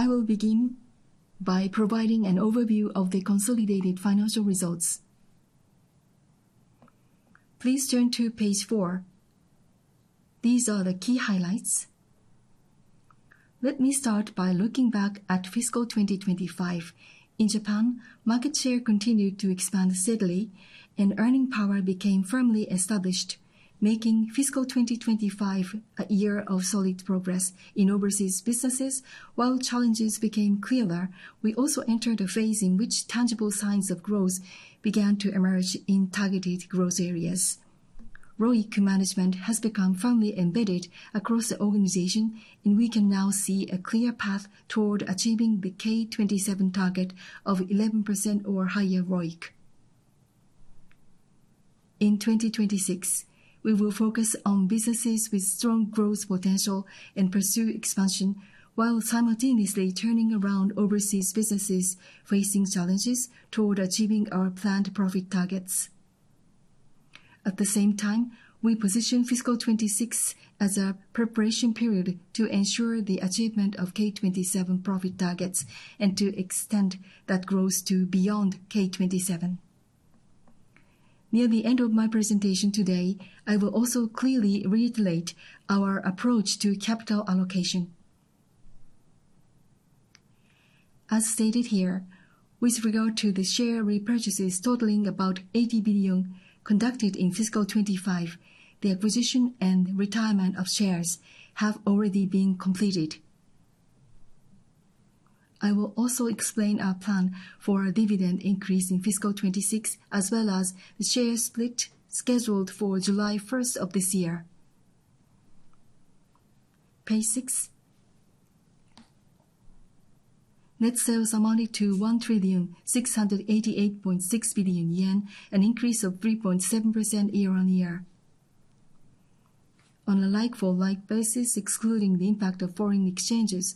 I will begin by providing an overview of the consolidated financial results. Please turn to page four. These are the key highlights. Let me start by looking back at fiscal 2025. In Japan, market share continued to expand steadily, and earning power became firmly established, making fiscal 2025 a year of solid progress in overseas businesses. While challenges became clearer, we also entered a phase in which tangible signs of growth began to emerge in targeted growth areas. ROIC management has become firmly embedded across the organization, and we can now see a clear path toward achieving the K27 target of 11% or higher ROIC. In 2026, we will focus on businesses with strong growth potential and pursue expansion while simultaneously turningaround overseas businesses facing challenges toward achieving our planned profit targets. At the same time, we position fiscal 2026 as a preparation period to ensure the achievement of K27 profit targets and to extend that growth to beyond K27. Near the end of my presentation today, I will also clearly reiterate our approach to capital allocation. As stated here, with regard to the share repurchases totaling about 80 billion conducted in fiscal 2025, the acquisition and retirement of shares have already been completed. I will also explain our plan for a dividend increase in fiscal 2026 as well as the share split scheduled for July 1st of this year. Page six. Net sales amounted to 1,688.6 billion yen, an increase of 3.7% year-on-year. On a like-for-like basis, excluding the impact of foreign exchanges,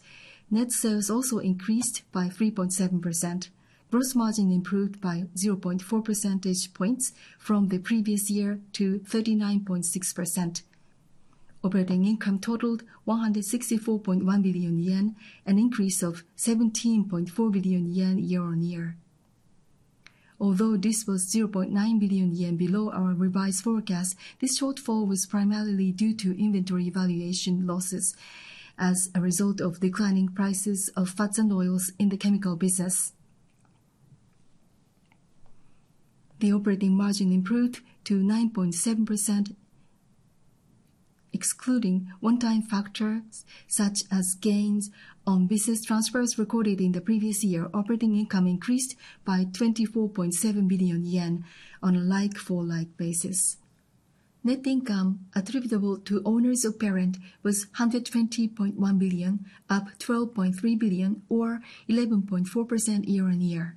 net sales also increased by 3.7%, gross margin improved by 0.4 percentage points from the previous year to 39.6%, operating income totaled 164.1 billion yen, an increase of 17.4 billion yen year-on-year. Although this was 0.9 billion yen below our revised forecast, this shortfall was primarily due to inventory valuation losses as a result of declining prices of fats and oils in the chemical business. The operating margin improved to 9.7%, excluding one-time factors such as gains on business transfers recorded in the previous year. Operating income increased by 24.7 billion yen on a like-for-like basis. Net income attributable to owners of parent was 120.1 billion, up 12.3 billion or 11.4% year-on-year.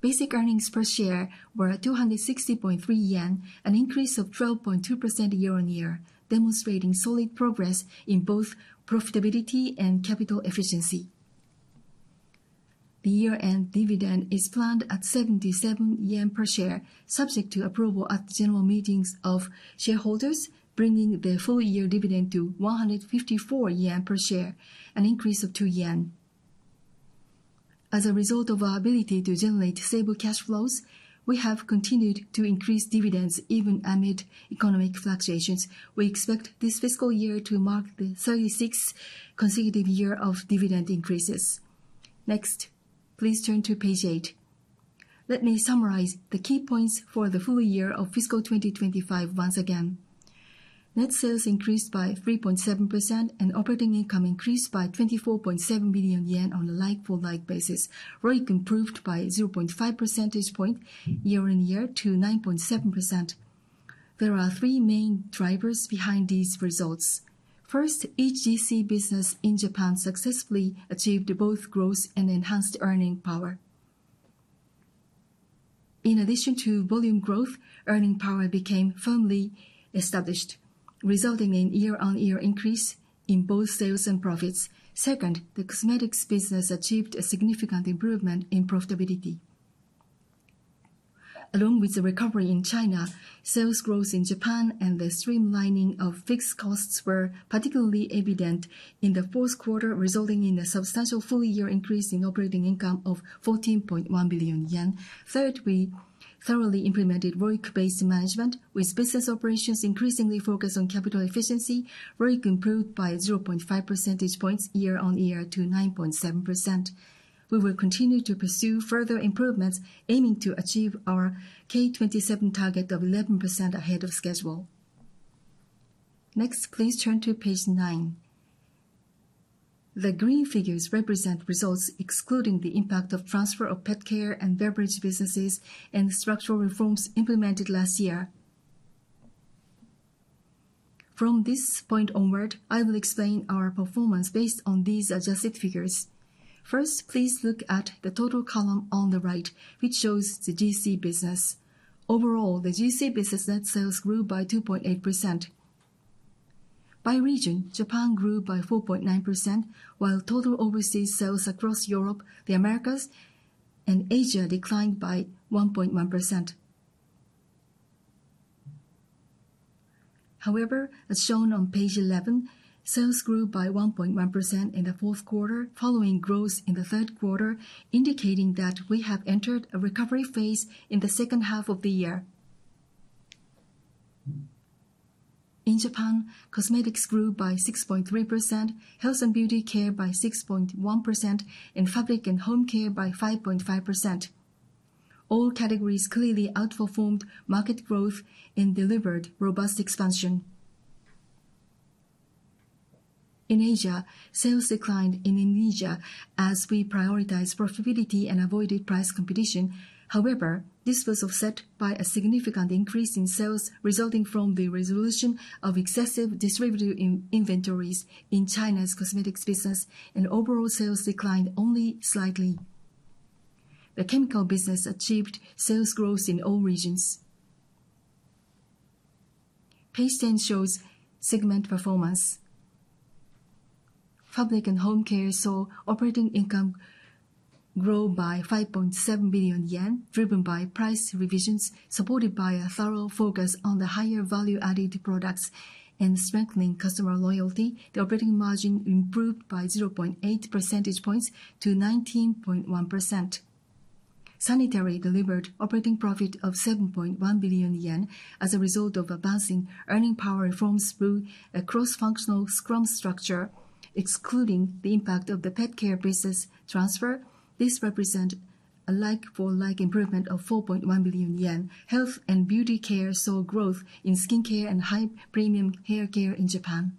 Basic earnings per share were 260.3 yen, an increase of 12.2% year-on-year, demonstrating solid progress in both profitability and capital efficiency. The year-end dividend is planned at 77 yen per share, subject to approval at general meetings of shareholders, bringing the full-year dividend to 154 yen per share, an increase of 2 yen. As a result of our ability to generate stable cash flows, we have continued to increase dividends even amid economic fluctuations. We expect this fiscal year to mark the 36th consecutive year of dividend increases. Next, please turn to page eight. Let me summarize the key points for the full year of fiscal 2025 once again. Net sales increased by 3.7% and operating income increased by 24.7 billion yen on a like-for-like basis. ROIC improved by 0.5 percentage point year on year to 9.7%. There are three main drivers behind these results. First, each GC business in Japan successfully achieved both growth and enhanced earning power. In addition to volume growth, earning power became firmly established, resulting in year-on-year increase in both sales and profits. Second, the cosmetics business achieved a significant improvement in profitability. Along with the recovery in China, sales growth in Japan and the streamlining of fixed costs were particularly evident in the fourth quarter, resulting in a substantial full-year increase in operating income of 14.1 billion yen. Third, we thoroughly implemented ROIC-based management, with business operations increasingly focused on capital efficiency. ROIC improved by 0.5 percentage points year-on-year to 9.7%. We will continue to pursue further improvements, aiming to achieve our K27 target of 11% ahead of schedule. Next, please turn to page nine. The green figures represent results excluding the impact of transfer of pet care and beverage businesses and structural reforms implemented last year. From this point onward, I will explain our performance based on these adjusted figures. First, please look at the total column on the right, which shows the GC business. Overall, the GC business net sales grew by 2.8%. By region, Japan grew by 4.9%, while total overseas sales across Europe, the Americas, and Asia declined by 1.1%. However, as shown on page 11, sales grew by 1.1% in the fourth quarter following growth in the third quarter, indicating that we have entered a recovery phase in the second half of the year. In Japan, cosmetics grew by 6.3%, health and beauty care by 6.1%, and fabric and home care by 5.5%. All categories clearly outperformed market growth and delivered robust expansion. In Asia, sales declined in Indonesia as we prioritized profitability and avoided price competition. However, this was offset by a significant increase in sales resulting from the resolution of excessive distributive inventories in China's cosmetics business, and overall sales declined only slightly. The chemical business achieved sales growth in all regions. Page 10 shows segment performance. Fabric and home care saw operating income grow by 5.7 billion yen, driven by price revisions supported by a thorough focus on the higher value-added products and strengthening customer loyalty. The operating margin improved by 0.8 percentage points to 19.1%. Sanitary delivered operating profit of 7.1 billion yen as a result of advancing earning power reforms through a cross-functional scrum structure, excluding the impact of the pet care business transfer. This represents a like-for-like improvement of 4.1 billion yen. Health and beauty care saw growth in skincare and high-premium hair care in Japan.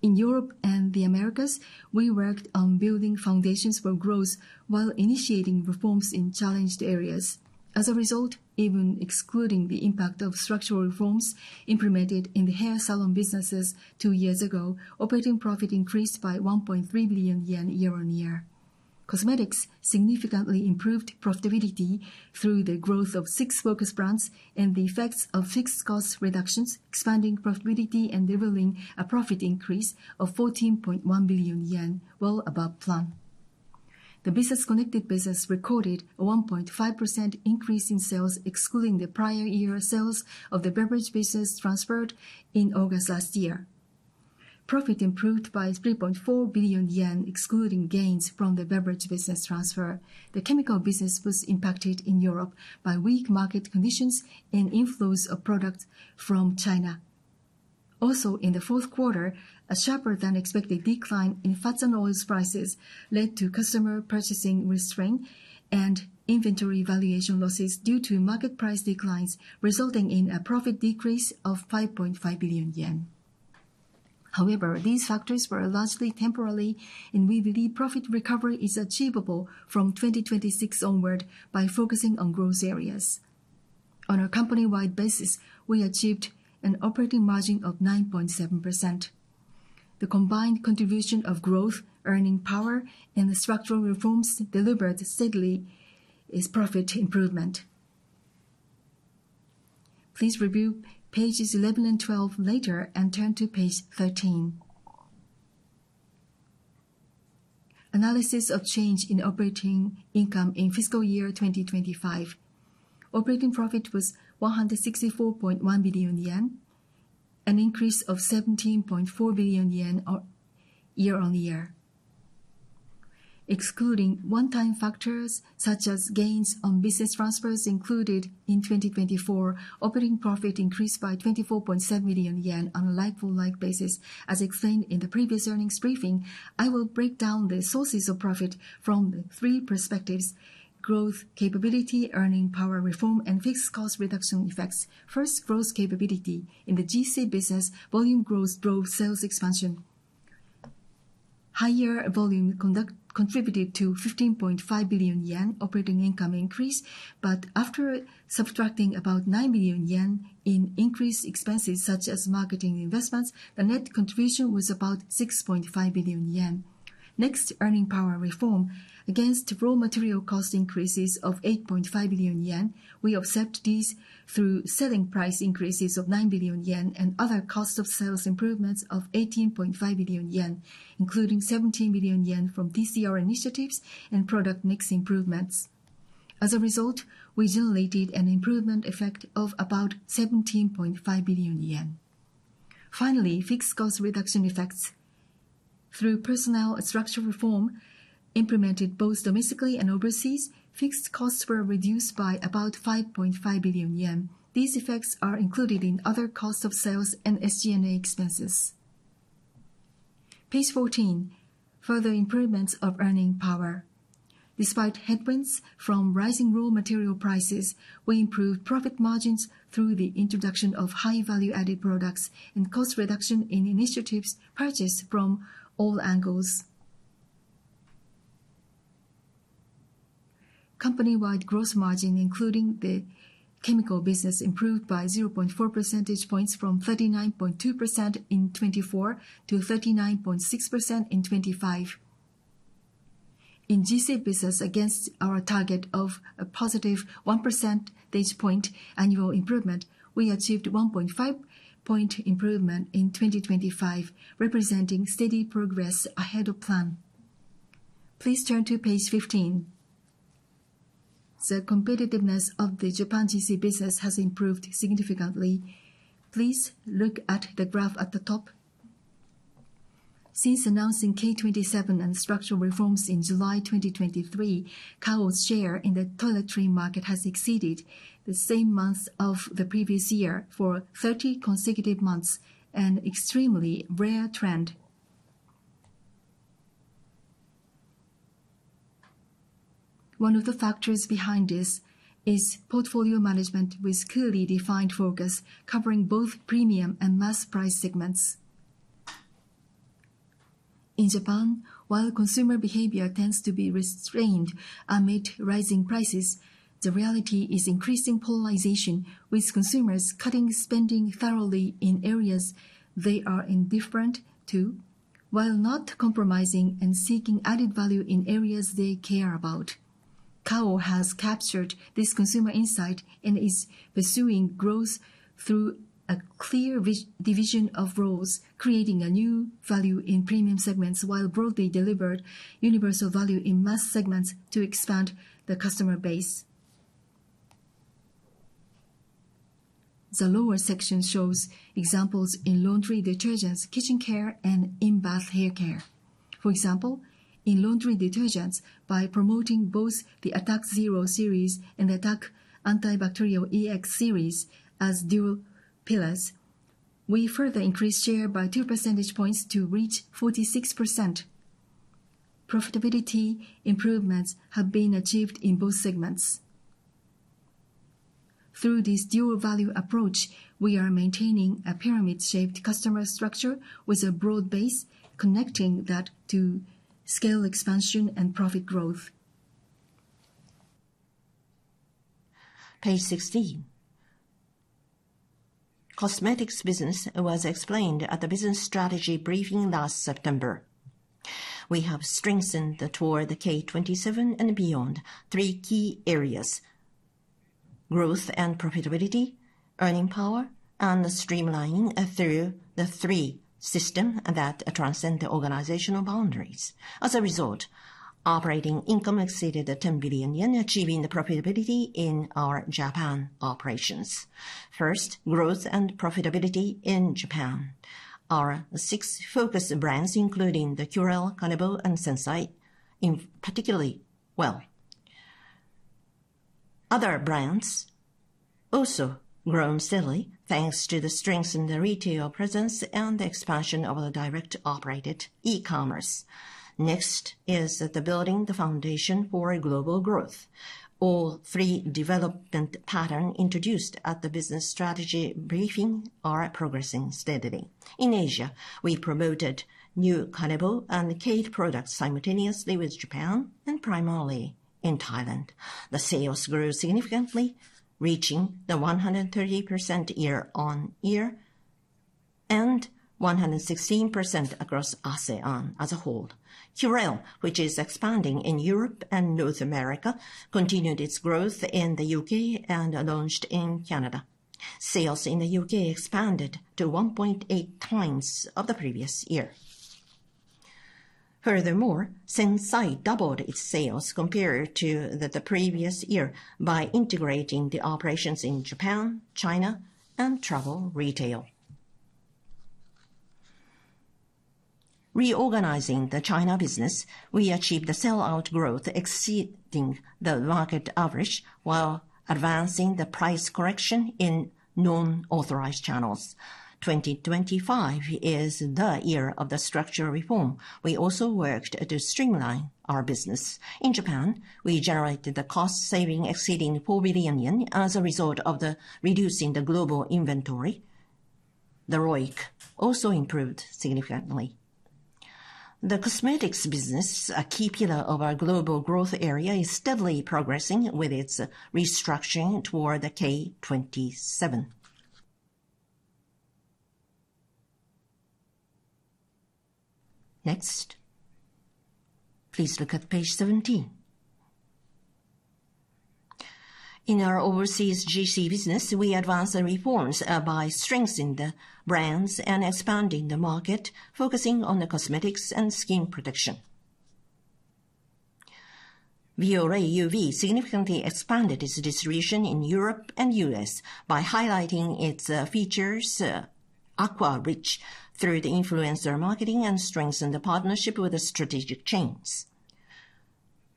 In Europe and the Americas, we worked on building foundations for growth while initiating reforms in challenged areas. As a result, even excluding the impact of structural reforms implemented in the hair salon businesses two years ago, operating profit increased by 1.3 billion yen year-on-year. Cosmetics significantly improved profitability through the growth of six focus brands and the effects of fixed cost reductions, expanding profitability and delivering a profit increase of 14.1 billion yen, well above plan. The business-connected business recorded a 1.5% increase in sales, excluding the prior-year sales of the beverage business transferred in August last year. Profit improved by 3.4 billion yen, excluding gains from the beverage business transfer. The chemical business was impacted in Europe by weak market conditions and inflows of products from China. Also, in the fourth quarter, a sharper-than-expected decline in fats and oils prices led to customer purchasing restraint and inventory valuation losses due to market price declines, resulting in a profit decrease of 5.5 billion yen. However, these factors were largely temporary, and we believe profit recovery is achievable from 2026 onward by focusing on growth areas. On a company-wide basis, we achieved an operating margin of 9.7%. The combined contribution of growth, earning power, and the structural reforms delivered steadily is profit improvement. Please review pages 11 and 12 later and turn to page 13. Analysis of change in operating income in fiscal year 2025. Operating profit was 164.1 billion yen, an increase of 17.4 billion yen year-on-year. Excluding one-time factors such as gains on business transfers included in 2024, operating profit increased by 24.7 billion yen on a like-for-like basis. As explained in the previous earnings briefing, I will break down the sources of profit from three perspectives: growth, capability, earning power reform, and fixed cost reduction effects. First, growth capability. In the GC business, volume growth drove sales expansion. Higher volume contributed to 15.5 billion yen operating income increase, but after subtracting about 9 billion yen in increased expenses such as marketing investments, the net contribution was about 6.5 billion yen. Next, earning power reform. Against raw material cost increases of 8.5 billion yen, we offset these through selling price increases of 9 billion yen and other cost of sales improvements of 18.5 billion yen, including 17 billion yen from TCR initiatives and product mix improvements. As a result, we generated an improvement effect of about 17.5 billion yen. Finally, fixed cost reduction effects. Through personnel and structural reform implemented both domestically and overseas, fixed costs were reduced by about 5.5 billion yen. These effects are included in other cost of sales and SG&A expenses. Page 14. Further improvements of earning power. Despite headwinds from rising raw material prices, we improved profit margins through the introduction of high value-added products and cost reduction in initiatives purchased from all angles. Company-wide gross margin, including the chemical business, improved by 0.4 percentage points from 39.2% in 2024 to 39.6% in 2025. In GC business, against our target of a positive 1 percentage point annual improvement, we achieved 1.5-point improvement in 2025, representing steady progress ahead of plan. Please turn to page 15. The competitiveness of the Japan GC business has improved significantly. Please look at the graph at the top. Since announcing K27 and structural reforms in July 2023, Kao's share in the toiletry market has exceeded the same months of the previous year for 30 consecutive months, an extremely rare trend. One of the factors behind this is portfolio management with clearly defined focus, covering both premium and mass price segments. In Japan, while consumer behavior tends to be restrained amid rising prices, the reality is increasing polarization, with consumers cutting spending thoroughly in areas they are indifferent to while not compromising and seeking added value in areas they care about. Kao has captured this consumer insight and is pursuing growth through a clear division of roles, creating a new value in premium segments while broadly delivering universal value in mass segments to expand the customer base. The lower section shows examples in laundry detergents, kitchen care, and in-bath hair care. For example, in laundry detergents, by promoting both the Attack ZERO series and the Attack Antibacterial EX series as dual pillars, we further increased share by 2 percentage points to reach 46%. Profitability improvements have been achieved in both segments. Through this dual-value approach, we are maintaining a pyramid-shaped customer structure with a broad base, connecting that to scale expansion and profit growth. Page 16. Cosmetics business was explained at the business strategy briefing last September. We have strengthened toward the K27 and beyond three key areas: growth and profitability, earning power, and streamlining through the three systems that transcend the organizational boundaries. As a result, operating income exceeded 10 billion yen, achieving the profitability in our Japan operations. First, growth and profitability in Japan. Our six focus brands, including the Curél, Kanebo, and SENSAI, in particularly well. Other brands also grown steadily thanks to the strengthened retail presence and the expansion of the direct-operated e-commerce. Next is the building the foundation for global growth. All three development patterns introduced at the business strategy briefing are progressing steadily. In Asia, we promoted new Kanebo and KATE products simultaneously with Japan and primarily in Thailand. The sales grew significantly, reaching the 130% year-on-year and 116% across ASEAN as a whole. Curél, which is expanding in Europe and North America, continued its growth in the U.K. and launched in Canada. Sales in the U.K. expanded to 1.8 times of the previous year. Furthermore, SENSAI doubled its sales compared to the previous year by integrating the operations in Japan, China, and travel retail. Reorganizing the China business, we achieved a sell-out growth exceeding the market average while advancing the price correction in non-authorized channels. 2025 is the year of the structural reform. We also worked to streamline our business. In Japan, we generated the cost saving exceeding 4 billion yen as a result of reducing the global inventory. The ROIC also improved significantly. The cosmetics business, a key pillar of our global growth area, is steadily progressing with its restructuring toward the K27. Next. Please look at page 17. In our overseas GC business, we advanced the reforms by strengthening the brands and expanding the market, focusing on the cosmetics and skin protection. Bioré UV significantly expanded its distribution in Europe and U.S. by highlighting its features' Aqua Rich through the influencer marketing and strengthened the partnership with strategic chains.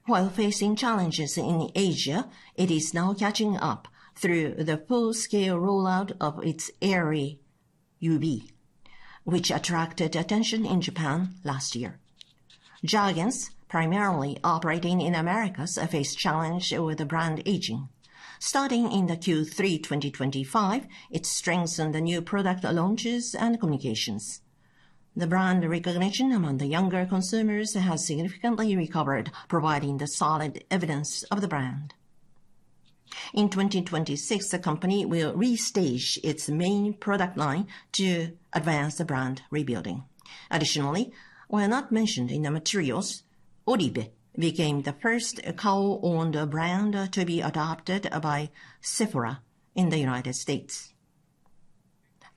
While facing challenges in Asia, it is now catching up through the full-scale rollout of its Airy UV, which attracted attention in Japan last year. Jergens, primarily operating in America, face challenges with brand aging. Starting in the Q3 2025, it strengthened the new product launches and communications. The brand recognition among the younger consumers has significantly recovered, providing the solid evidence of the brand. In 2026, the company will restage its main product line to advance the brand rebuilding. Additionally, while not mentioned in the materials, Oribe became the first Kao-owned brand to be adopted by Sephora, in the United States.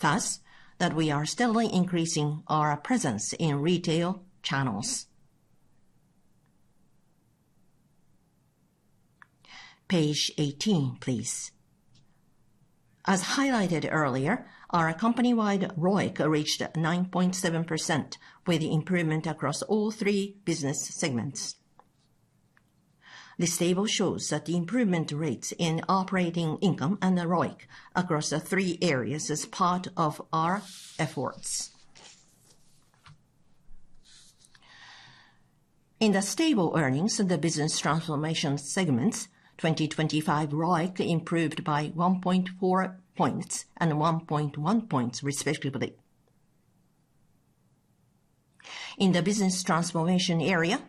Thus, we are steadily increasing our presence in retail channels. Page 18, please. As highlighted earlier, our company-wide ROIC reached 9.7% with improvement across all three business segments. This table shows that the improvement rates in operating income and the ROIC across three areas as part of our efforts. In the stable earnings and the business transformation segments, 2025 ROIC improved by 1.4 points and 1.1 points, respectively. In the business transformation area,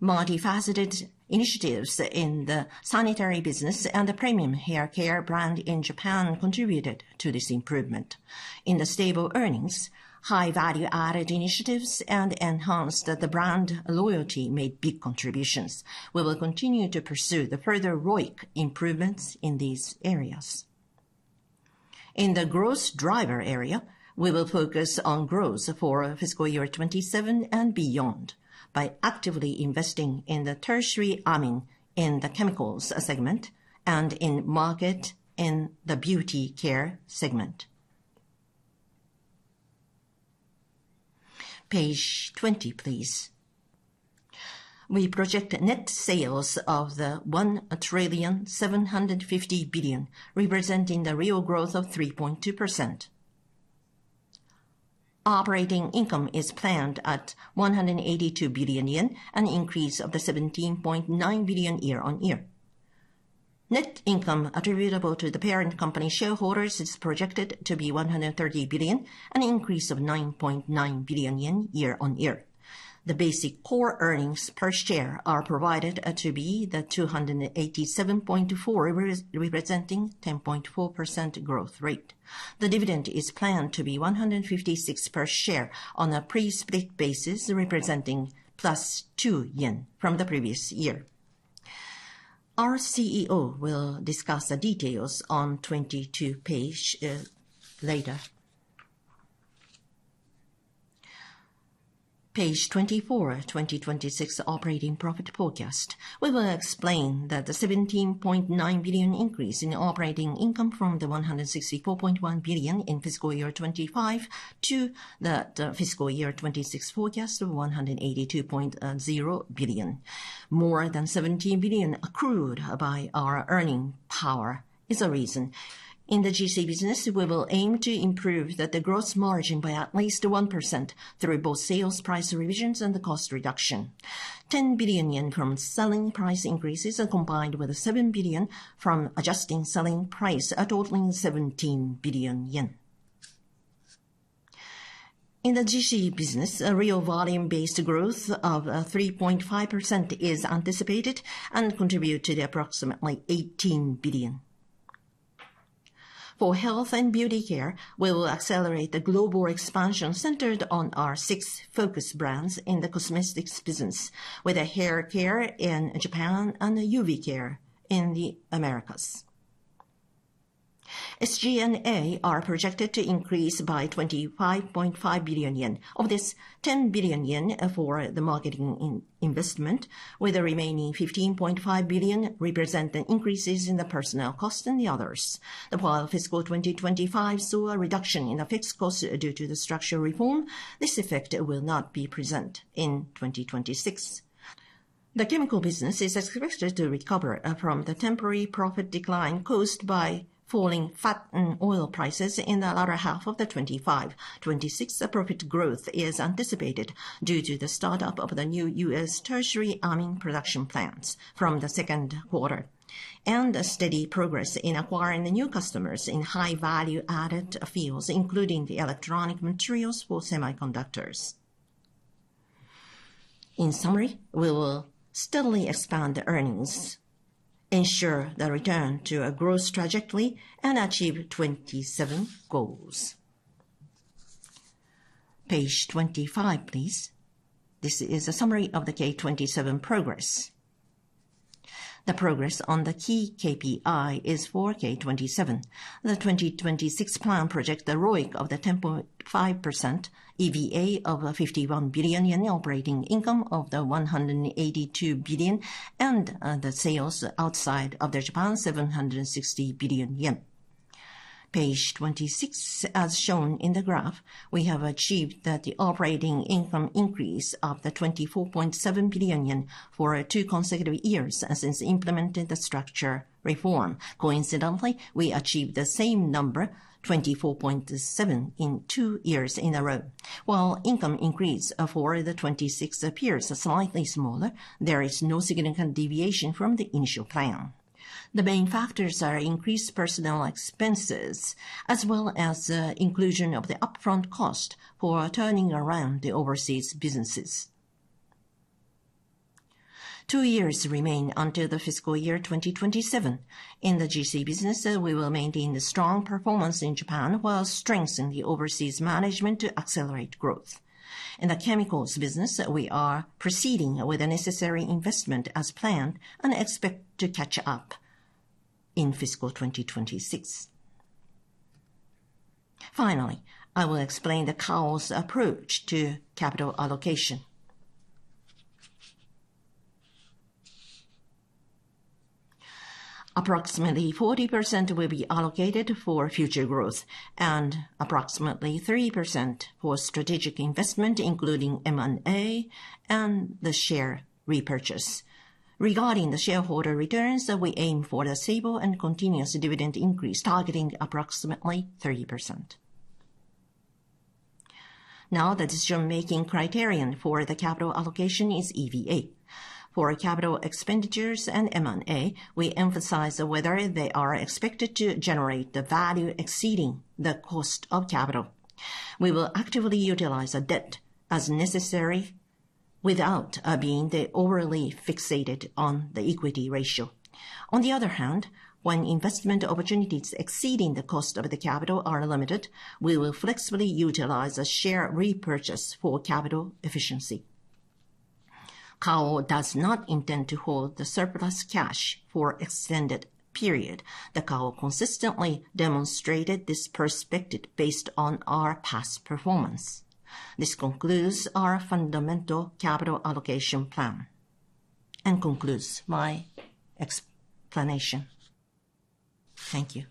multifaceted initiatives in the sanitary business and the premium hair care brand in Japan contributed to this improvement. In the stable earnings, high value-added initiatives and enhanced brand loyalty made big contributions. We will continue to pursue the further ROIC improvements in these areas. In the growth driver area, we will focus on growth for fiscal year 2027 and beyond by actively investing in the tertiary amines in the chemicals segment and in marketing in the beauty care segment. Page 20, please. We project net sales of 1,750 billion, representing the real growth of 3.2%. Operating income is planned at 182 billion yen, an increase of 17.9 billion year-on-year. Net income attributable to the parent company shareholders is projected to be 130 billion, an increase of 9.9 billion yen year-on-year. The basic core earnings per share are projected to be 287.4 yen, representing 10.4% growth rate. The dividend is planned to be 156 yen per share on a pre-split basis, representing plus 2 yen from the previous year. Our CEO will discuss the details on page 22 later. Page 24, 2026 operating profit forecast. We will explain that the 17.9 billion increase in operating income from the 164.1 billion in fiscal year 2025 to the fiscal year 2026 forecast of 182.0 billion. More than 17 billion accrued by our earning power is a reason. In the GC business, we will aim to improve the gross margin by at least 1% through both sales price revisions and the cost reduction. 10 billion yen from selling price increases are combined with 7 billion from adjusting selling price, a totaling 17 billion yen. In the GC business, real volume-based growth of 3.5% is anticipated and contributes to approximately 18 billion. For health and beauty care, we will accelerate the global expansion centered on our six focus brands in the cosmetics business, with hair care in Japan and UV Care in the Americas. SG&A are projected to increase by 25.5 billion yen. Of this, 10 billion yen for the marketing investment, with the remaining 15.5 billion representing increases in the personnel cost and the others. While fiscal 2025 saw a reduction in the fixed costs due to the structural reform, this effect will not be present in 2026. The chemical business is expected to recover from the temporary profit decline caused by falling fat and oil prices in the latter half of the 2025. 2026 profit growth is anticipated due to the startup of the new U.S. tertiary amines production plants from the second quarter, and steady progress in acquiring new customers in high value-added fields, including the electronic materials for semiconductors. In summary, we will steadily expand the earnings, ensure the return to a growth trajectory, and achieve 2027 goals. Page 25, please. This is a summary of the K27 progress. The progress on the key KPIs for K27. The 2026 plan projects the ROIC of 10.5%, EVA of 51 billion yen, in operating income of 182 billion, and the sales outside of Japan 760 billion yen. Page 26, as shown in the graph, we have achieved the operating income increase of 24.7 billion yen for two consecutive years since implementing the structural reform. Coincidentally, we achieved the same number, 24.7, in two years in a row. While income increase for the 2026 appears slightly smaller, there is no significant deviation from the initial plan. The main factors are increased personnel expenses, as well as the inclusion of the upfront cost for turning around the overseas businesses. Two years remain until the fiscal year 2027. In the GC business, we will maintain the strong performance in Japan while strengthening the overseas management to accelerate growth. In the chemicals business, we are proceeding with the necessary investment as planned and expect to catch up in fiscal 2026. Finally, I will explain the Kao's approach to capital allocation. Approximately 40% will be allocated for future growth and approximately 30% for strategic investment, including M&A and the share repurchase. Regarding the shareholder returns, we aim for a stable and continuous dividend increase, targeting approximately 30%. Now, the decision-making criterion for the capital allocation is EVA. For capital expenditures and M&A, we emphasize whether they are expected to generate the value exceeding the cost of capital. We will actively utilize debt as necessary, without being overly fixated on the equity ratio. On the other hand, when investment opportunities exceeding the cost of the capital are limited, we will flexibly utilize share repurchase for capital efficiency. Kao does not intend to hold the surplus cash for an extended period. Kao has consistently demonstrated this perspective based on our past performance. This concludes our fundamental capital allocation plan. And concludes my explanation. Thank you.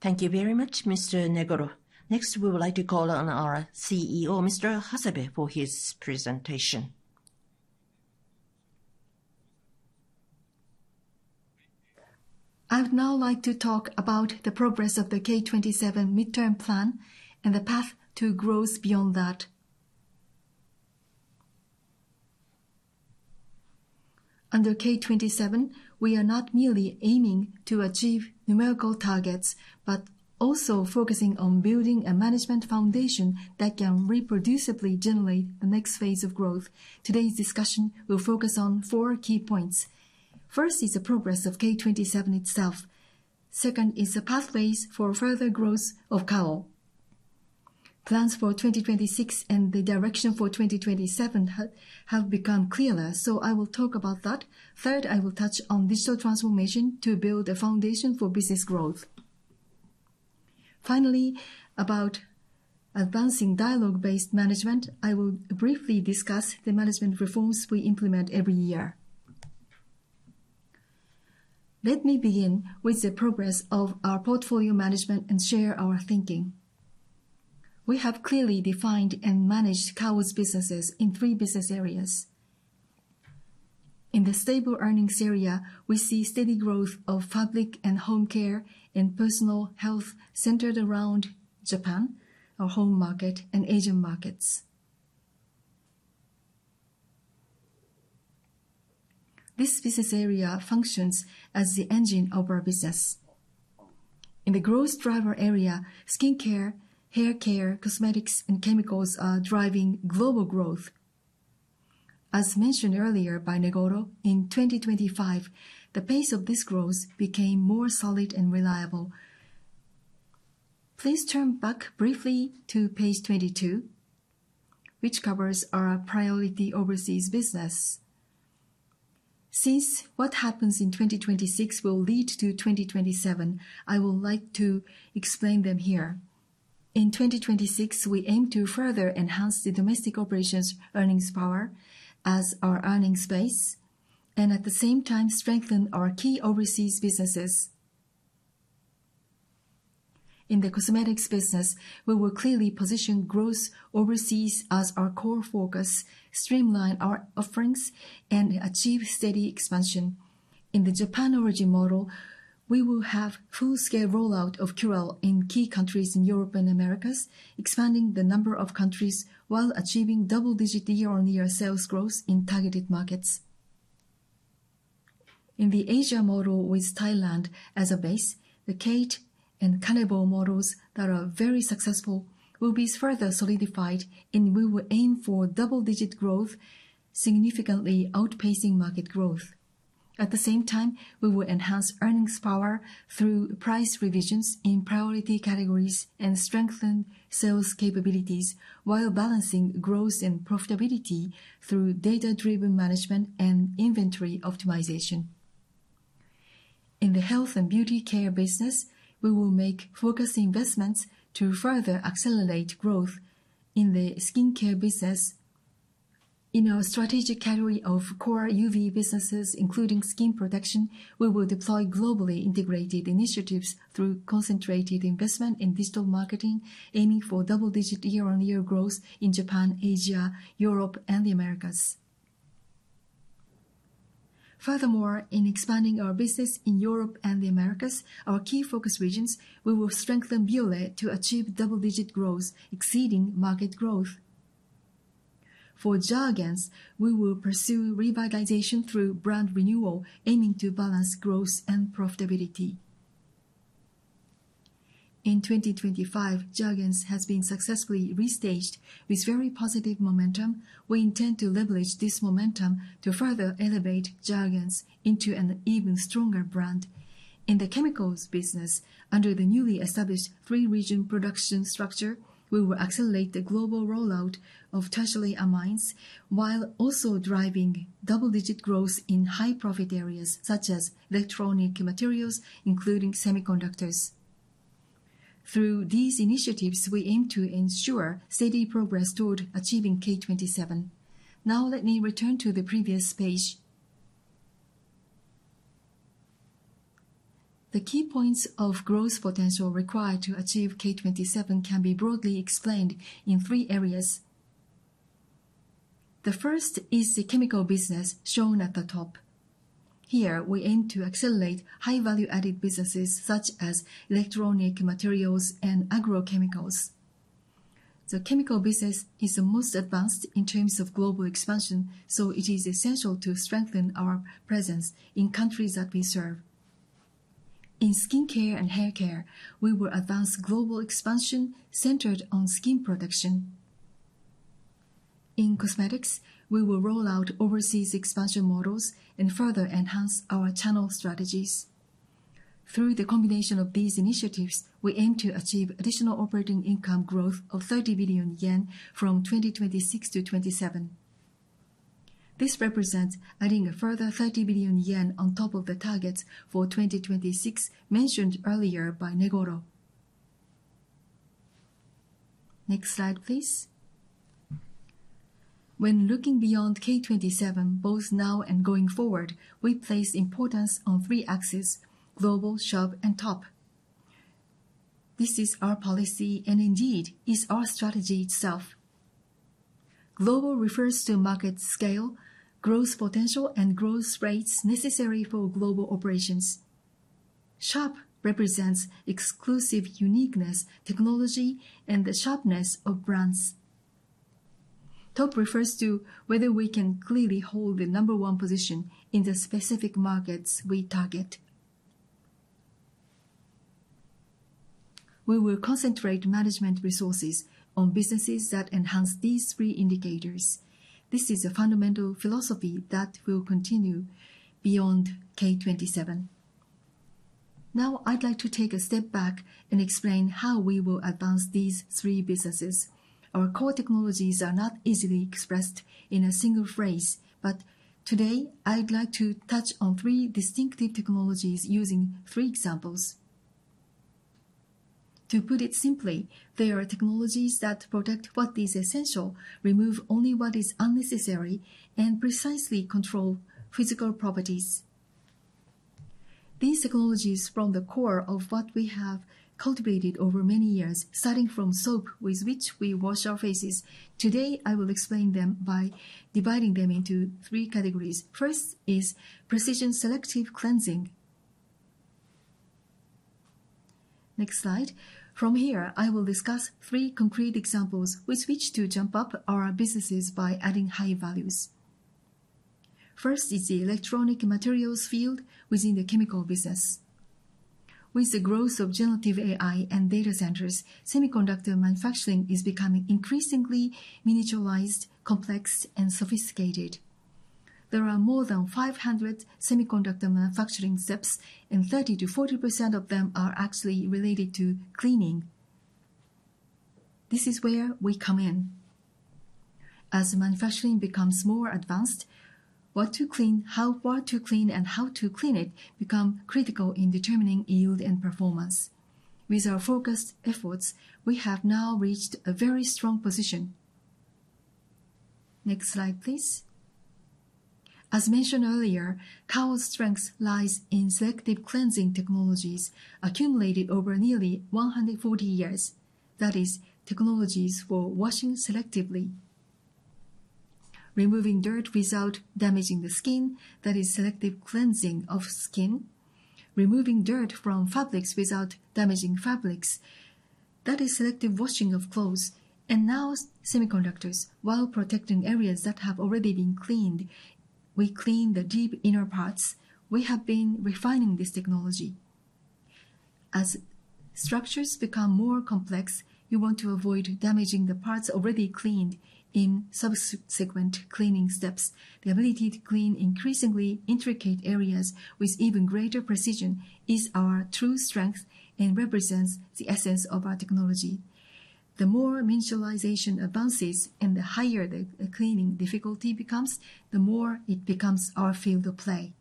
Thank you very much, Mr. Negoro. Next, we would like to call on our CEO, Mr. Hasebe, for his presentation. I would now like to talk about the progress of the K27 mid-term plan and the path to growth beyond that. Under K27, we are not merely aiming to achieve numerical targets but also focusing on building a management foundation that can reproducibly generate the next phase of growth. Today's discussion will focus on four key points. First is the progress of K27 itself. Second is the pathways for further growth of Kao. Plans for 2026 and the direction for 2027 have become clearer, so I will talk about that. Third, I will touch on digital transformation to build a foundation for business growth. Finally, about advancing dialogue-based management, I will briefly discuss the management reforms we implement every year. Let me begin with the progress of our portfolio management and share our thinking. We have clearly defined and managed Kao's businesses in three business areas. In the stable earnings area, we see steady growth of Fabric and Home Care and personal health centered around Japan, our home market, and Asian markets. This business area functions as the engine of our business. In the growth driver area, skin care, hair care, cosmetics, and chemicals are driving global growth. As mentioned earlier by Negoro, in 2025, the pace of this growth became more solid and reliable. Please turn back briefly to page 22, which covers our priority overseas business. Since what happens in 2026 will lead to 2027, I would like to explain them here. In 2026, we aim to further enhance the domestic operations' earnings power as our earnings base and, at the same time, strengthen our key overseas businesses. In the cosmetics business, we will clearly position growth overseas as our core focus, streamline our offerings, and achieve steady expansion. In the Japan-origin model, we will have full-scale rollout of Curél in key countries in Europe and Americas, expanding the number of countries while achieving double-digit year-on-year sales growth in targeted markets. In the Asia model with Thailand as a base, the KATE and Kanebo models that are very successful will be further solidified, and we will aim for double-digit growth, significantly outpacing market growth. At the same time, we will enhance earnings power through price revisions in priority categories and strengthen sales capabilities while balancing growth and profitability through data-driven management and inventory optimization. In the health and beauty care business, we will make focused investments to further accelerate growth. In the skin care business, in our strategic category of core UV businesses, including skin protection, we will deploy globally integrated initiatives through concentrated investment in digital marketing, aiming for double-digit year-over-year growth in Japan, Asia, Europe, and the Americas. Furthermore, in expanding our business in Europe and the Americas, our key focus regions, we will strengthen Bioré to achieve double-digit growth, exceeding market growth. For Jergens, we will pursue revitalization through brand renewal, aiming to balance growth and profitability. In 2025, Jergens has been successfully restaged with very positive momentum. We intend to leverage this momentum to further elevate Jergens into an even stronger brand. In the chemicals business, under the newly established three-region production structure, we will accelerate the global rollout of tertiary amines while also driving double-digit growth in high-profit areas such as electronic materials, including semiconductors. Through these initiatives, we aim to ensure steady progress toward achieving K27. Now, let me return to the previous page. The key points of growth potential required to achieve K27 can be broadly explained in three areas. The first is the chemical business shown at the top. Here, we aim to accelerate high-value-added businesses such as electronic materials and agrochemicals. The chemical business is the most advanced in terms of global expansion, so it is essential to strengthen our presence in countries that we serve. In skin care and hair care, we will advance global expansion centered on skin protection. In cosmetics, we will roll out overseas expansion models and further enhance our channel strategies. Through the combination of these initiatives, we aim to achieve additional operating income growth of 30 billion yen from 2026 to 2027. This represents adding further 30 billion yen on top of the targets for 2026 mentioned earlier by Negoro. Next slide, please. When looking beyond K27, both now and going forward, we place importance on three axes: global, sharp, and top. This is our policy and, indeed, is our strategy itself. Global refers to market scale, growth potential, and growth rates necessary for global operations. Sharp represents exclusive uniqueness, technology, and the sharpness of brands. Top refers to whether we can clearly hold the number one position in the specific markets we target. We will concentrate management resources on businesses that enhance these three indicators. This is a fundamental philosophy that will continue beyond K27. Now, I'd like to take a step back and explain how we will advance these three businesses. Our core technologies are not easily expressed in a single phrase, but today, I'd like to touch on three distinctive technologies using three examples. To put it simply, they are technologies that protect what is essential, remove only what is unnecessary, and precisely control physical properties. These technologies, from the core of what we have cultivated over many years, starting from soap with which we wash our faces, today I will explain them by dividing them into three categories. First is precision selective cleansing. Next slide. From here, I will discuss three concrete examples with which to jump up our businesses by adding high values. First is the electronic materials field within the chemical business. With the growth of generative AI and data centers, semiconductor manufacturing is becoming increasingly miniaturized, complex, and sophisticated. There are more than 500 semiconductor manufacturing steps, and 30%-40% of them are actually related to cleaning. This is where we come in. As manufacturing becomes more advanced, what to clean, how to clean, and how to clean it become critical in determining yield and performance. With our focused efforts, we have now reached a very strong position. Next slide, please. As mentioned earlier, Kao's strength lies in selective cleansing technologies accumulated over nearly 140 years. That is, technologies for washing selectively. Removing dirt without damaging the skin. That is, selective cleansing of skin. Removing dirt from fabrics without damaging fabrics. That is, selective washing of clothes. And now, semiconductors, while protecting areas that have already been cleaned, we clean the deep inner parts. We have been refining this technology. As structures become more complex, you want to avoid damaging the parts already cleaned in subsequent cleaning steps. The ability to clean increasingly intricate areas with even greater precision is our true strength and represents the essence of our technology. The more miniaturization advances and the higher the cleaning difficulty becomes, the more it becomes our field of play.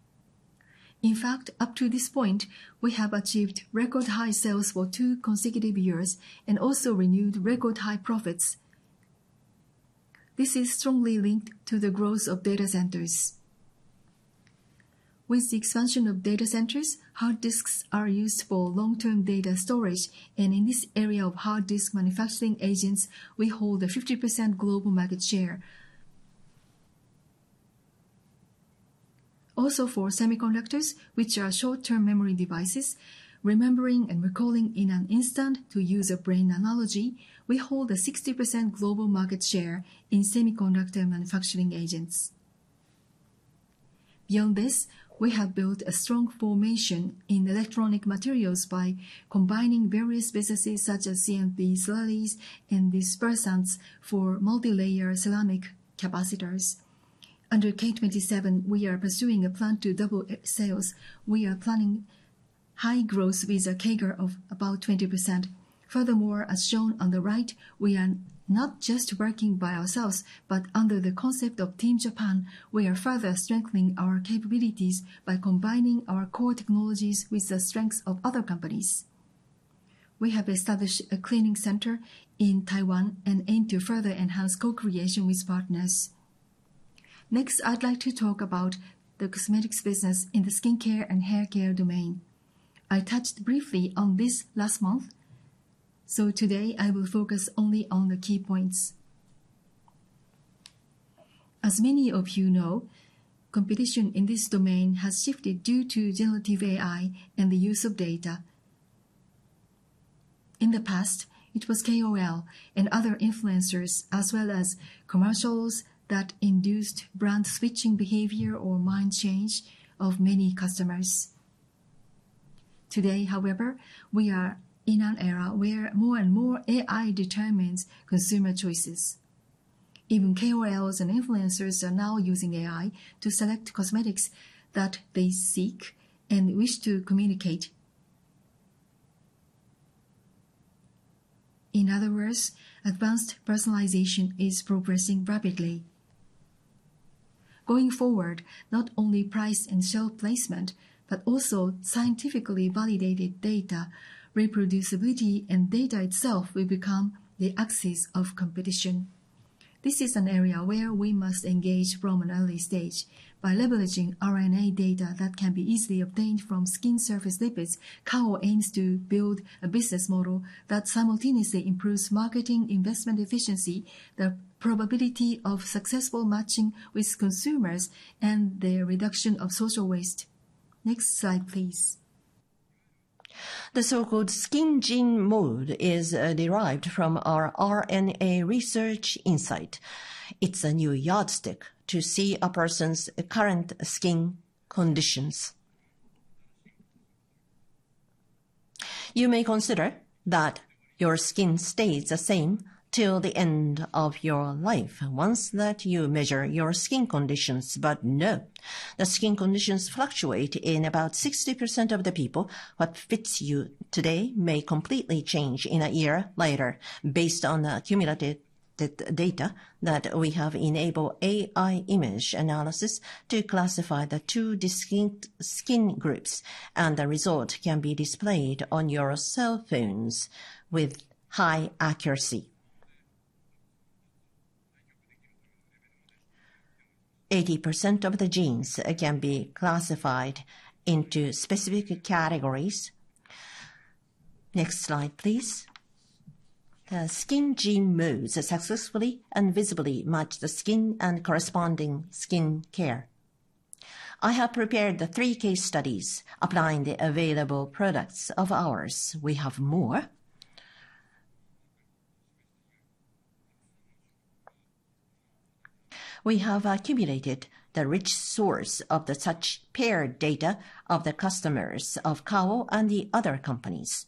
In fact, up to this point, we have achieved record-high sales for two consecutive years and also renewed record-high profits. This is strongly linked to the growth of data centers. With the expansion of data centers, hard disks are used for long-term data storage, and in this area of hard disk manufacturing agents, we hold a 50% global market share. Also, for semiconductors, which are short-term memory devices, remembering and recalling in an instant, to use a brain analogy, we hold a 60% global market share in semiconductor manufacturing agents. Beyond this, we have built a strong formation in electronic materials by combining various businesses such as CMP slurries, and dispersants for multi-layer ceramic capacitors. Under K27, we are pursuing a plan to double sales. We are planning high growth with a CAGR of about 20%. Furthermore, as shown on the right, we are not just working by ourselves, but under the concept of Team Japan, we are further strengthening our capabilities by combining our core technologies with the strengths of other companies. We have established a cleaning center in Taiwan and aim to further enhance co-creation with partners. Next, I'd like to talk about the cosmetics business in the skin care and hair care domain. I touched briefly on this last month, so today I will focus only on the key points. As many of you know, competition in this domain has shifted due to generative AI and the use of data. In the past, it was KOL and other influencers, as well as commercials, that induced brand switching behavior or mind change of many customers. Today, however, we are in an era where more and more AI determines consumer choices. Even KOLs and influencers are now using AI to select cosmetics that they seek and wish to communicate. In other words, advanced personalization is progressing rapidly. Going forward, not only price and shelf placement, but also scientifically validated data, reproducibility, and data itself will become the axis of competition. This is an area where we must engage from an early stage by leveraging RNA data that can be easily obtained from skin surface lipids. Kao aims to build a business model that simultaneously improves marketing investment efficiency, the probability of successful matching with consumers, and the reduction of social waste. Next slide, please. The so-called Skin Gene Model is derived from our RNA research insight. It's a new yardstick to see a person's current skin conditions. You may consider that your skin stays the same till the end of your life once that you measure your skin conditions, but no. The skin conditions fluctuate in about 60% of the people. What fits you today may completely change in a year later based on the accumulated data that we have. Enable AI image analysis to classify the two distinct skin groups, and the result can be displayed on your cell phones with high accuracy. 80% of the genes can be classified into specific categories. Next slide, please. The Skin Gene Model successfully and visibly match the skin and corresponding skin care. I have prepared the three case studies applying the available products of ours. We have more. We have accumulated the rich source of such paired data of the customers of Kao and the other companies.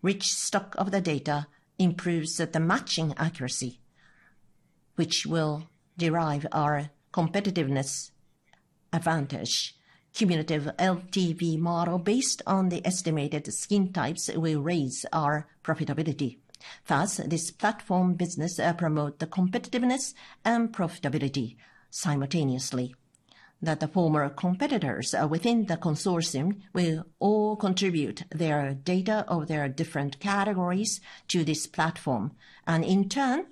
Rich stock of the data improves the matching accuracy, which will derive our competitive advantage. Cumulative LTV model based on the estimated skin types will raise our profitability. Thus, this platform business promotes the competitiveness and profitability simultaneously. That the former competitors within the consortium will all contribute their data of their different categories to this platform and, in turn,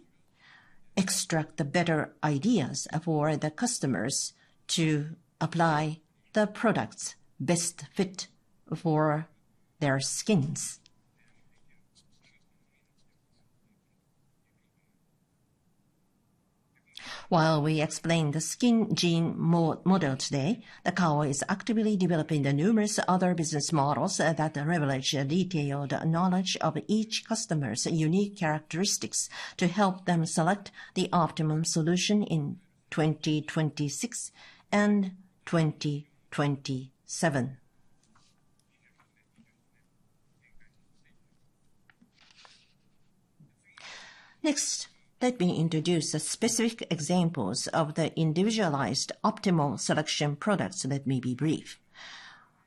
extract the better ideas for the customers to apply the products best fit for their skins. While we explain the Skin Gene Model today, Kao is actively developing numerous other business models that leverage detailed knowledge of each customer's unique characteristics to help them select the optimum solution in 2026 and 2027. Next, let me introduce specific examples of the individualized optimal selection products that may be brief.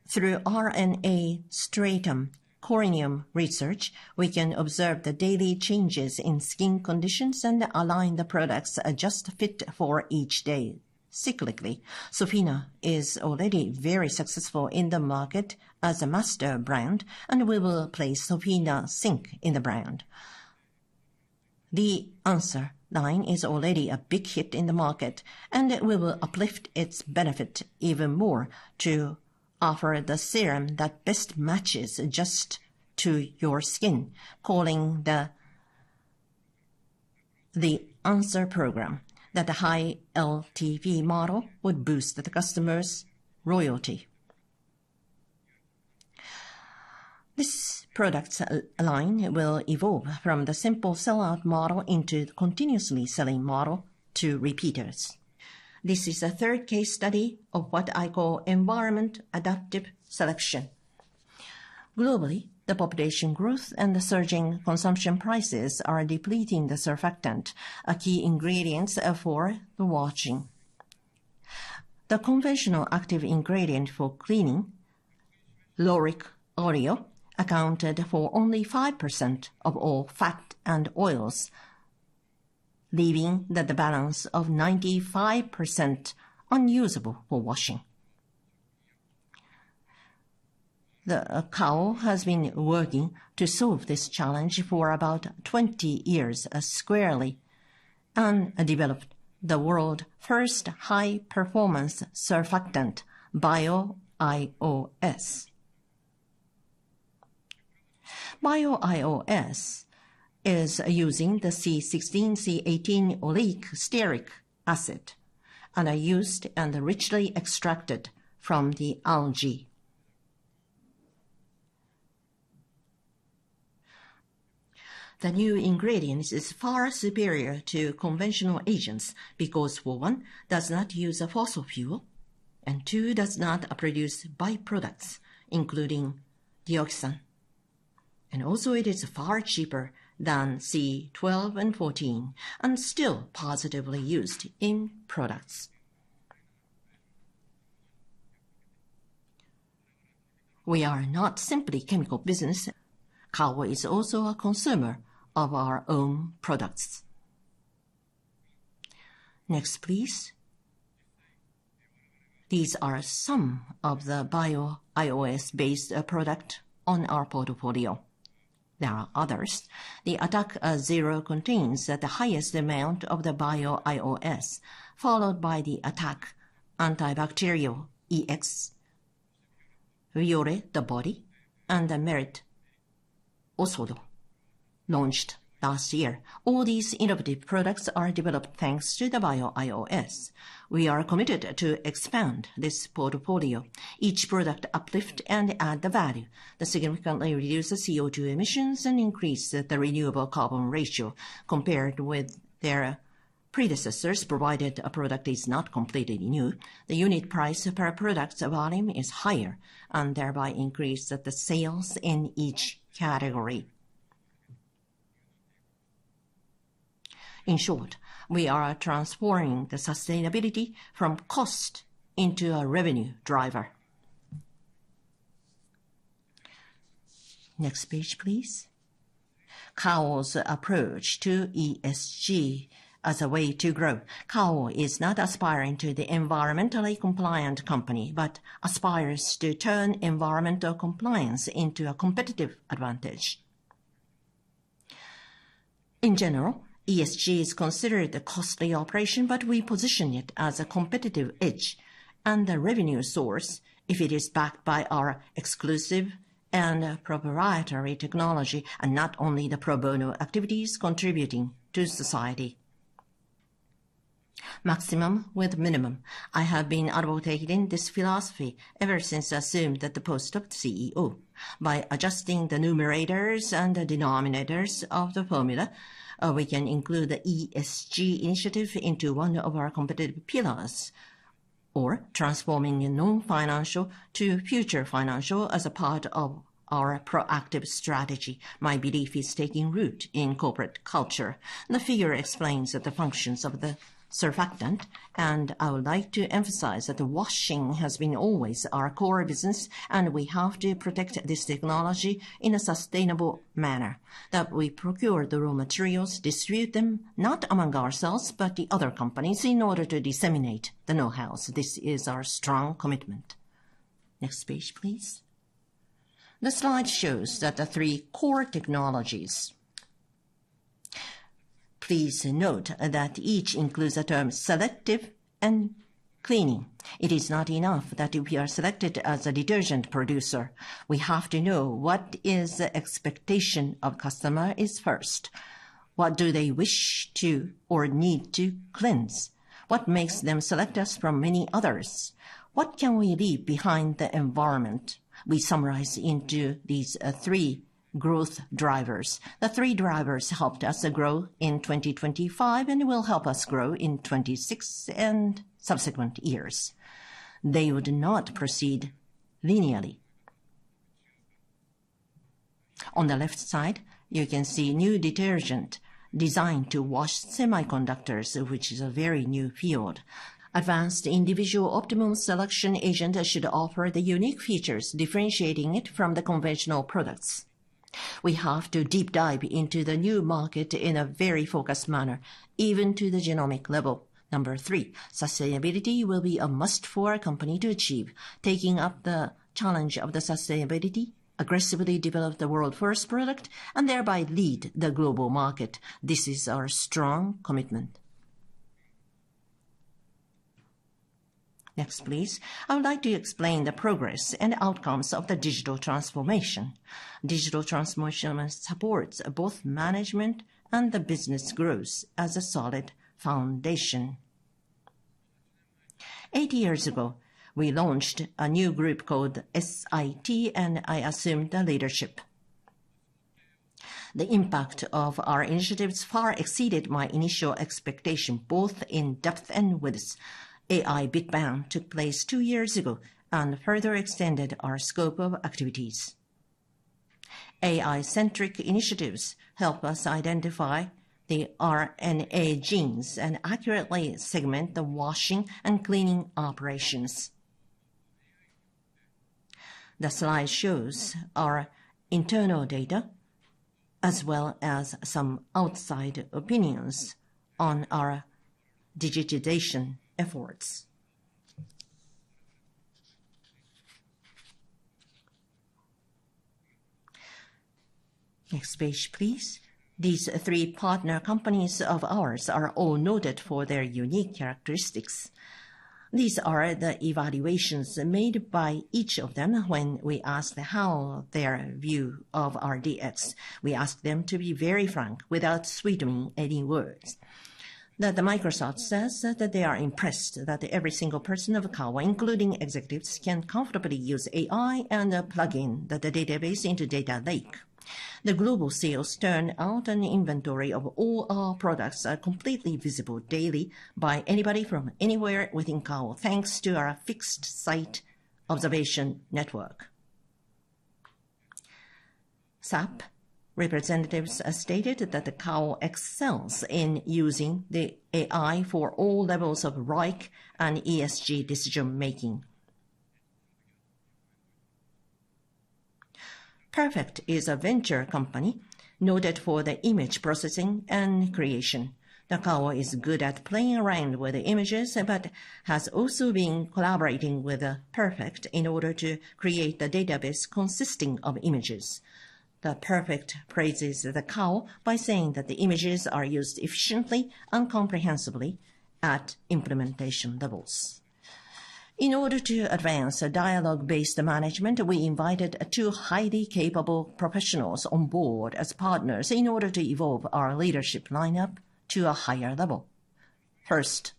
Through RNA stratum corneum research, we can observe the daily changes in skin conditions and align the products just fit for each day cyclically. SOFINA is already very successful in the market as a master brand, and we will place SOFINA iP in the brand. The answer line is already a big hit in the market, and we will uplift its benefit even more to offer the serum that best matches just to your skin, calling THE ANSWER program. That the high LTV model would boost the customer's loyalty. This product line will evolve from the simple sellout model into the continuously selling model to repeaters. This is a third case study of what I call environment-adaptive selection. Globally, the population growth and the surging consumption prices are depleting the surfactant, a key ingredient for the washing. The conventional active ingredient for cleaning, lauric acid, accounted for only 5% of all fat and oils, leaving the balance of 95% unusable for washing. Kao has been working to solve this challenge for about 20 years squarely and developed the world's first high-performance surfactant Bio IOS. Bio IOS is using the C16C18 oleic stearic acid and is used and richly extracted from the algae. The new ingredient is far superior to conventional agents because, for one, it does not use a fossil fuel, and two, it does not produce byproducts, including dioxin. And also, it is far cheaper than C12 and C14 and still positively used in products. We are not simply a chemical business. Kao is also a consumer of our own products. Next, please. These are some of the Bio IOS-based products on our portfolio. There are others. The Attack ZERO contains the highest amount of the Bio IOS, followed by the Attack Antibacterial EX, Bioré u The Body, and Merit Osoro, launched last year. All these innovative products are developed thanks to the Bio IOS. We are committed to expand this portfolio, each product uplift and add the value. That significantly reduces CO2 emissions and increases the renewable carbon ratio. Compared with their predecessors, provided a product is not completely new, the unit price per product volume is higher and thereby increases the sales in each category. In short, we are transforming the sustainability from cost into a revenue driver. Next page, please. Kao's approach to ESG as a way to grow. Kao is not aspiring to be an environmentally compliant company, but aspires to turn environmental compliance into a competitive advantage. In general, ESG is considered a costly operation, but we position it as a competitive edge and a revenue source if it is backed by our exclusive and proprietary technology and not only the pro bono activities contributing to society. Maximum with minimum. I have been advocating this philosophy ever since I assumed the post of CEO. By adjusting the numerators and denominators of the formula, we can include the ESG initiative into one of our competitive pillars, or transforming non-financial to future financial as a part of our proactive strategy. My belief is taking root in corporate culture. The figure explains the functions of the surfactant, and I would like to emphasize that the washing has been always our core business, and we have to protect this technology in a sustainable manner. That we procure the raw materials, distribute them not among ourselves but the other companies in order to disseminate the know-how. This is our strong commitment. Next page, please. The slide shows the three core technologies. Please note that each includes the terms selective and cleaning. It is not enough that if we are selected as a detergent producer, we have to know what is the expectation of the customer is first. What do they wish to or need to cleanse? What makes them select us from many others? What can we leave behind the environment? We summarize into these three growth drivers. The three drivers helped us grow in 2025 and will help us grow in 2026 and subsequent years. They would not proceed linearly. On the left side, you can see a new detergent designed to wash semiconductors, which is a very new field. Advanced individual optimum selection agent should offer the unique features differentiating it from the conventional products. We have to deep dive into the new market in a very focused manner, even to the genomic level. Number 3, sustainability will be a must for a company to achieve, taking up the challenge of the sustainability, aggressively develop the world's first product, and thereby lead the global market. This is our strong commitment. Next, please. I would like to explain the progress and outcomes of the digital transformation. Digital transformation supports both management and the business growth as a solid foundation. Eight years ago, we launched a new group called SIT, and I assumed the leadership. The impact of our initiatives far exceeded my initial expectation both in depth and width. AI Big Bang took place two years ago and further extended our scope of activities. AI-centric initiatives help us identify the RNA genes and accurately segment the washing and cleaning operations. The slide shows our internal data as well as some outside opinions on our digitization efforts. Next page, please. These three partner companies of ours are all noted for their unique characteristics. These are the evaluations made by each of them when we asked how they view our DX. We asked them to be very frank without sweetening any words. That Microsoft says that they are impressed that every single person of Kao, including executives, can comfortably use AI and plug in the database into Data Lake. The global sales turnover and inventory of all our products completely visible daily by anybody from anywhere within Kao thanks to our fixed site observation network. SAP representatives stated that Kao excels in using the AI for all levels of ROIC and ESG decision making. Perfect is a venture company noted for the image processing and creation. Kao is good at playing around with images but has also been collaborating with Perfect in order to create the database consisting of images. Perfect praises Kao by saying that the images are used efficiently and comprehensively at implementation levels. In order to advance dialogue-based management, we invited two highly capable professionals on board as partners in order to evolve our leadership lineup to a higher level. First,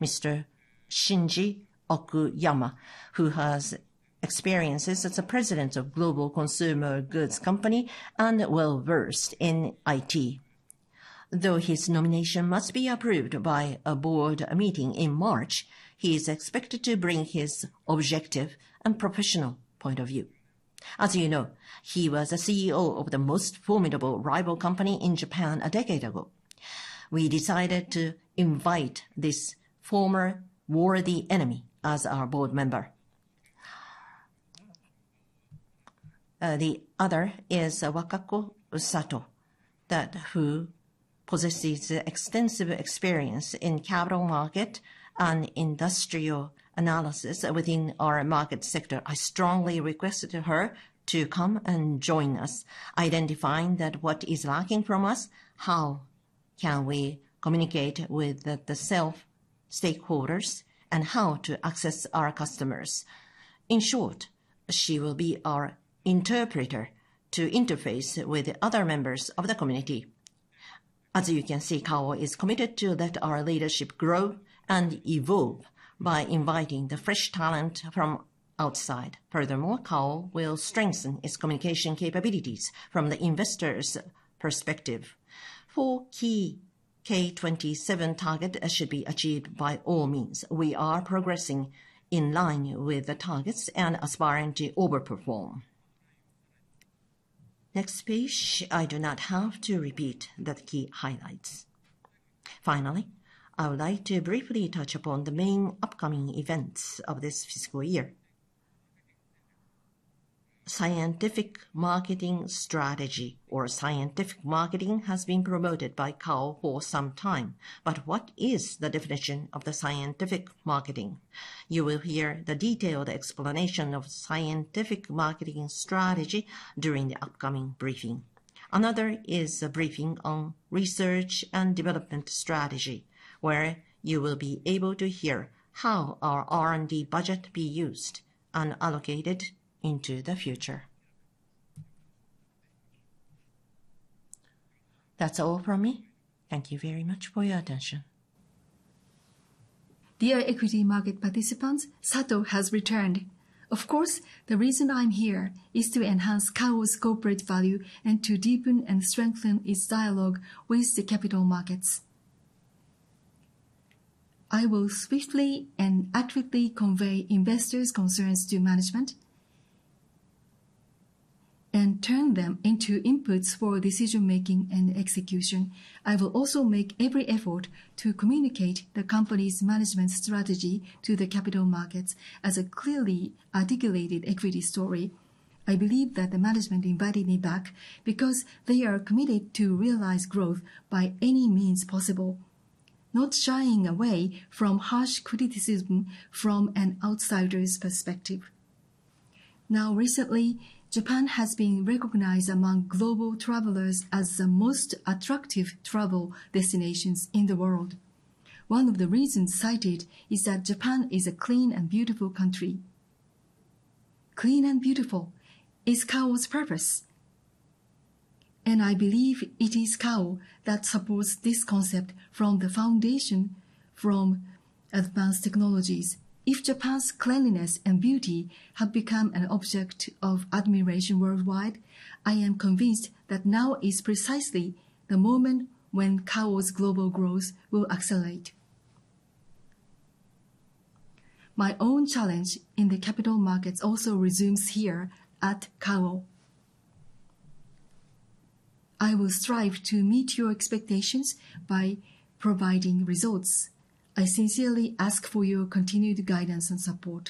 Mr. Shinji Okuyama, who has experience as a president of a global consumer goods company and is well-versed in IT. Though his nomination must be approved by a board meeting in March, he is expected to bring his objective and professional point of view. As you know, he was the CEO of the most formidable rival company in Japan a decade ago. We decided to invite this former worthy enemy as our board member. The other is Wakako Sato, who possesses extensive experience in capital market and industrial analysis within our market sector. I strongly requested her to come and join us, identifying what is lacking from us, how can we communicate with the sales stakeholders, and how to access our customers. In short, she will be our interpreter to interface with other members of the community. As you can see, Kao is committed to let our leadership grow and evolve by inviting the fresh talent from outside. Furthermore, Kao will strengthen its communication capabilities from the investors' perspective. Four key K27 targets should be achieved by all means. We are progressing in line with the targets and aspiring to overperform. Next page, I do not have to repeat the key highlights. Finally, I would like to briefly touch upon the main upcoming events of this fiscal year. Scientific marketing strategy or scientific marketing has been promoted by Kao for some time, but what is the definition of the scientific marketing? You will hear the detailed explanation of scientific marketing strategy during the upcoming briefing. Another is a briefing on research and development strategy, where you will be able to hear how our R&D budget will be used and allocated into the future. That's all from me. Thank you very much for your attention. Dear equity market participants, Sato has returned. Of course, the reason I'm here is to enhance Kao's corporate value and to deepen and strengthen its dialogue with the capital markets. I will swiftly and accurately convey investors' concerns to management and turn them into inputs for decision making and execution. I will also make every effort to communicate the company's management strategy to the capital markets as a clearly articulated equity story. I believe that the management invited me back because they are committed to realize growth by any means possible, not shying away from harsh criticism from an outsider's perspective. Now, recently, Japan has been recognized among global travelers as the most attractive travel destinations in the world. One of the reasons cited is that Japan is a clean and beautiful country. Clean and beautiful is Kao's purpose. And I believe it is Kao that supports this concept from the foundation, from advanced technologies. If Japan's cleanliness and beauty have become an object of admiration worldwide, I am convinced that now is precisely the moment when Kao's global growth will accelerate. My own challenge in the capital markets also resumes here at Kao. I will strive to meet your expectations by providing results. I sincerely ask for your continued guidance and support.